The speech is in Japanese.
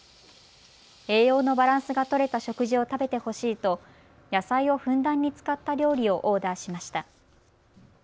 栄養のバランスがとれた食事を食べてほしいと野菜をふんだんに使った料理をオーダーしました。